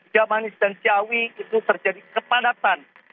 jamanis dan ciawi itu terjadi kepadatan